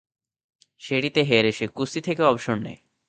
সেটিতে সে হেরে কুস্তি থেকে অবসর নেয়।